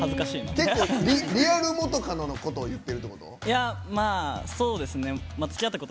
結構リアル元カノのことを言ってるってこと？